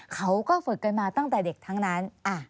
เขาก็ฝึกกันมาตั้งแต่เด็กทั้งนั้น